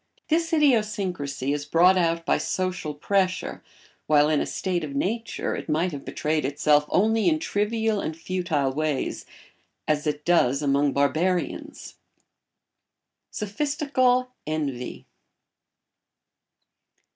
This idiosyncrasy is brought out by social pressure, while in a state of nature it might have betrayed itself only in trivial and futile ways, as it does among barbarians. [Sidenote: Sophistical envy.